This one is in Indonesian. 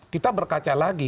kita berkaca lagi